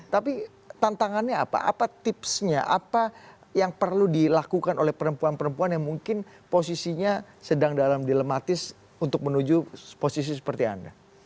tapi tantangannya apa apa tipsnya apa yang perlu dilakukan oleh perempuan perempuan yang mungkin posisinya sedang dalam dilematis untuk menuju posisi seperti anda